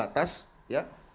yang tahu batas ya